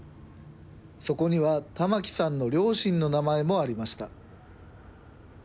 そこにはタマキさんの両親の名前もありました。